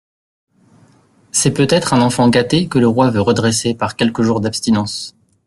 C'est peut-être un enfant gâté que le roi veut redresser par quelques jours d'abstinence.